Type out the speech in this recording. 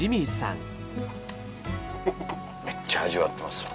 めっちゃ味わってますわ。